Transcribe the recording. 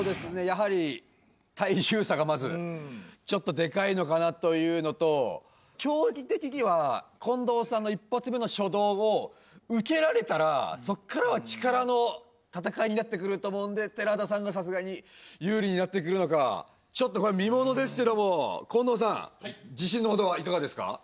やはり体重差がまずちょっとデカいのかなというのと競技的には近藤さんが１発目の初動を受けられたらそこからは力の戦いになってくると思うんで寺田さんがさすがに有利になってくるのかちょっとこれは見物ですけども近藤さんはい自信のほどはいかがですか？